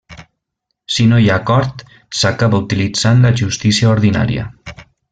Si no hi ha acord, s'acaba utilitzant la justícia ordinària.